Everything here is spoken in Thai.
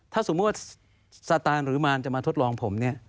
ถ้าสมมุติสาตาลหรือมารจะมาทดลองผม